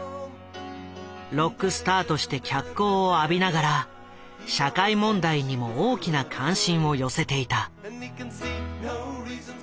ロックスターとして脚光を浴びながら社会問題にも大きな関心を寄せていた。